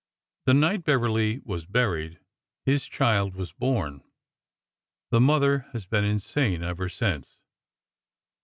The night Beverly was buried his child was born. The mother has been insane ever since."